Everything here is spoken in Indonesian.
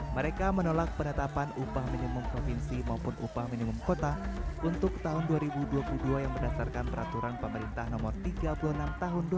mereka menolak penetapan upah minimum provinsi maupun upah minimum kota untuk tahun dua ribu dua puluh dua yang berdasarkan peraturan pemerintah nomor tiga puluh enam tahun dua ribu dua puluh